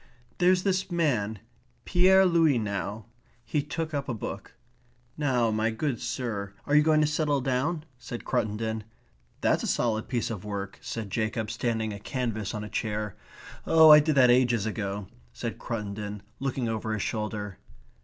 "There's this man, Pierre Louys now." He took up a book. "Now my good sir, are you going to settle down?" said Cruttendon. "That's a solid piece of work," said Jacob, standing a canvas on a chair. "Oh, that I did ages ago," said Cruttendon, looking over his shoulder.